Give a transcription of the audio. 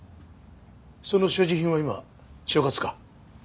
その所持品は今所轄か？